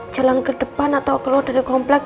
jalan ke depan atau keluar dari komplek